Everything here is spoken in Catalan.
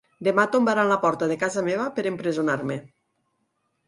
Demà tombaran la porta de casa meva per empresonar-me.